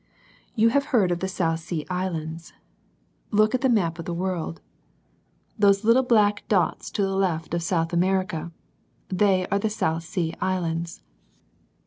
You have heard of the South Sea Islands. Look at the map of tVve woi\A. TVvo^^ V«L<^ LITTLE THINGS. 97 black dots to the left of South America, they are the South Sea Islands.